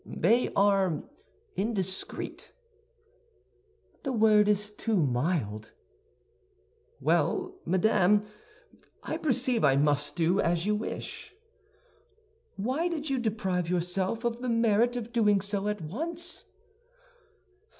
"They are indiscreet." "The word is too mild." "Well, madame, I perceive I must do as you wish." "Why did you deprive yourself of the merit of doing so at once?"